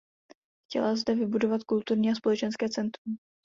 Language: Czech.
Chtěla zde vybudovat kulturní a společenské centrum.